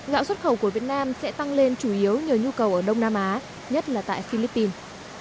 gạo xuất khẩu của việt nam sẽ tăng lên chủ yếu nhờ nhu cầu ở đông nam á nhất là tại philippines